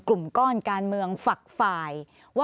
กลุ่มก้อนการเมืองฝักฝ่าย